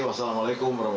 wassalamualaikum wr wb